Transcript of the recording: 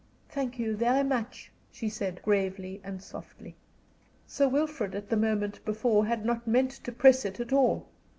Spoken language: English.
"Thank you very much," she said, gravely and softly. Sir Wilfrid at the moment before had not meant to press it at all.